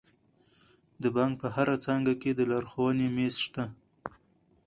د بانک په هره څانګه کې د لارښوونې میز شته.